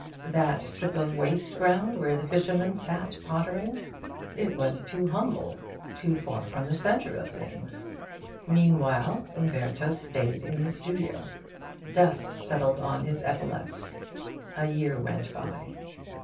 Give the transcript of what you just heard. That strip of waste ground where the fishermen sat pottering? It was too humble, too far from the centre of things. Meanwhile, Umberto stayed in the studio. Dust settled on his epaulettes. A year went by.